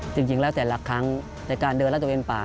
จริงแล้วแต่ละครั้งในการเดินละตะเวียนป่า